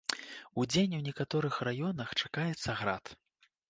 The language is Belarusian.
Удзень у некаторых раёнах чакаецца град.